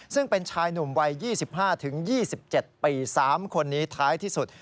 ซึ่งเป็นชายหนุ่มวัย๒๕๒๗ปี๓คนนี้ท้ายที่สุด